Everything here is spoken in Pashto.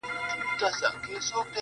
له دې زړو نه ښې ډبري د صحرا وي,